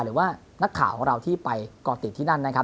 หรือว่านักข่าวของเราที่ไปก่อติดที่นั่นนะครับ